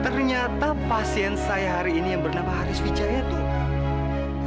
ternyata pasien saya hari ini yang bernama haris wijaya tuh